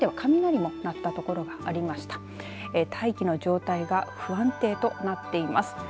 大気の状態が不安定となっています。